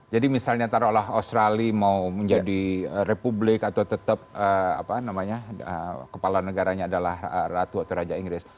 jadi misalnya taruhlah australia mau menjadi republik atau tetap kepala negaranya adalah ratu atau raja inggris